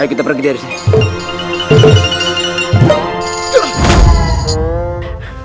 ayo kita pergi dari sini